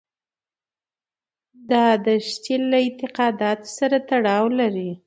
دا دښتې له اعتقاداتو سره تړاو لري.